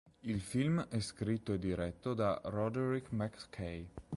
Il film è scritto e diretto da Roderick MacKay.